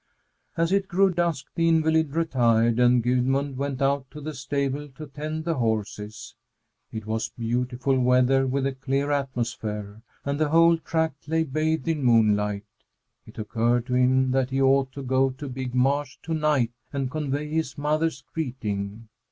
As it grew dusk, the invalid retired, and Gudmund went out to the stable to tend the horses. It was beautiful weather, with a clear atmosphere, and the whole tract lay bathed in moonlight. It occurred to him that he ought to go to Big Marsh to night and convey his mother's greeting.